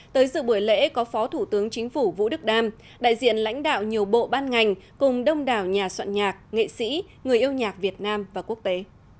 tới dự buổi lễ có phó thủ tướng chính phủ vũ đức đam đại diện lãnh đạo nhiều bộ ban ngành cùng đông đảo nhà soạn nhạc nghệ sĩ người yêu nhạc việt nam và quốc tế